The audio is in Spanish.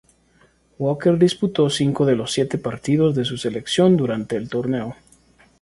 Walker disputó cinco de los siete partidos de su selección durante el torneo.